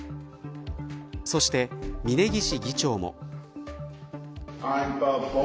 そして峯岸議長も。